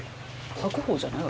白鵬じゃない？